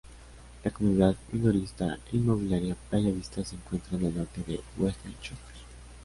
La comunidad minorista e inmobiliaria Playa Vista se encuentra en el norte de Westchester.